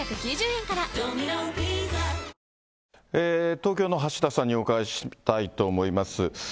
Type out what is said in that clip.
東京の橋田さんにお伺いしたいと思います。